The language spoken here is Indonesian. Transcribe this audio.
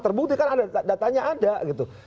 terbukti kan ada datanya ada gitu